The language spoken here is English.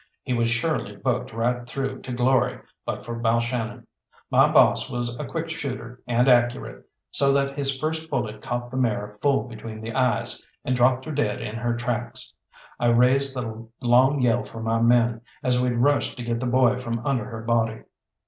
He was surely booked right through to glory but for Balshannon. My boss was a quick shooter and accurate, so that his first bullet caught the mare full between the eyes, and dropped her dead in her tracks. I raised the long yell for my men, as we rushed to get the boy from under her body.